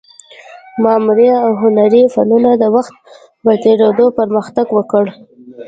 معماري او هنري فنونو د وخت په تېرېدو پرمختګ وکړ